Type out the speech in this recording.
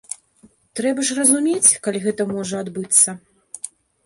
Трэба ж разумець, калі гэта можа адбыцца.